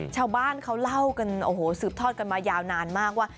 ชาวบ้านเขาเล่ากันโอ้โหสืบทอดกันมายาวนานมากว่า